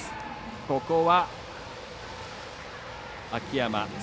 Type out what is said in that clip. ここは秋山。